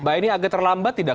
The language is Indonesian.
mbak ini agak terlambat tidak